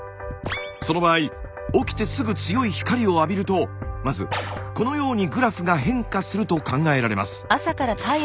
その場合起きてすぐ強い光を浴びるとまずこのようにグラフが変化すると考えられます。